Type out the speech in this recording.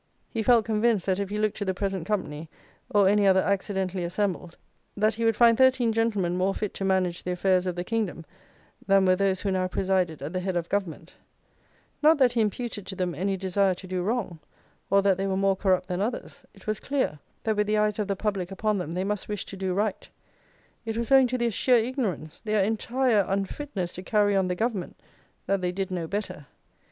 "He felt convinced that if he looked to the present company, or any other accidentally assembled, that he would find thirteen gentlemen more fit to manage the affairs of the kingdom than were those who now presided at the head of Government; not that he imputed to them any desire to do wrong, or that they were more corrupt than others; it was clear, that with the eyes of the public upon them they must wish to do right; it was owing to their sheer ignorance, their entire unfitness to carry on the Government, that they did no better.